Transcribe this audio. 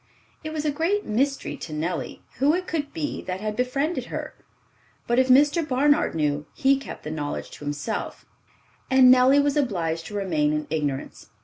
It was a great mystery to Nellie who it could be that had befriended her; but if Mr. Barnard knew, he kept the knowledge to himself, and Nellie was obliged to remain in ignorance.